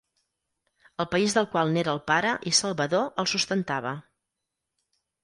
El país del qual n'era el pare i salvador el sustentava.